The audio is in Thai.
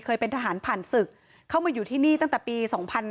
ทหารผ่านศึกเข้ามาอยู่ที่นี่ตั้งแต่ปี๒๕๕๙